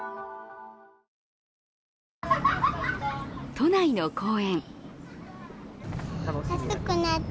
都内の公園。